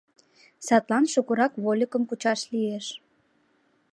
Садлан шукырак вольыкым кучаш лиеш.